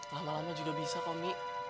lama lama juga bisa komi